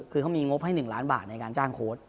คือเขามีงบให้๑ล้านบาทในการจ้างโค้ด